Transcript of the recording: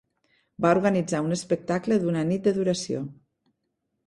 va organitzar un espectacle d'una nit de duració.